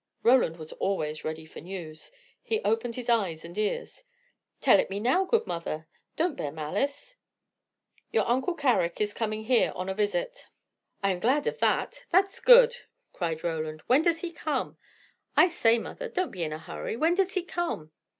Roland was always ready for news. He opened his eyes and ears. "Tell it me now, good mother. Don't bear malice." "Your uncle Carrick is coming here on a visit." "I am glad of that; that's good!" cried Roland. "When does he come? I say, mother, don't be in a hurry! When does he come?"